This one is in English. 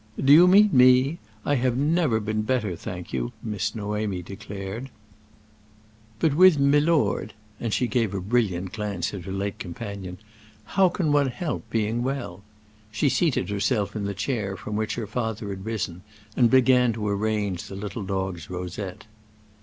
"Do you mean me? I have never been better, thank you," Miss Noémie declared. "But with milord"—and she gave a brilliant glance at her late companion—"how can one help being well?" She seated herself in the chair from which her father had risen, and began to arrange the little dog's rosette.